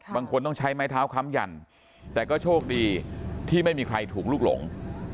บางคนต้องใช้ไม้เท้าค้ำยันแต่ก็โชคดีที่ไม่มีใครถูกลูกหลง